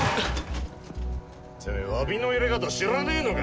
てめえ詫びの入れ方知らねえのか？